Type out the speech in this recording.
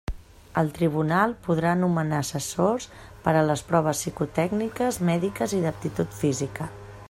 El tribunal podrà nomenar assessors per a les proves psicotècniques, mèdiques i d'aptitud física.